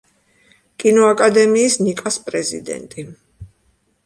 კინოაკადემიის ნიკას პრეზიდენტი.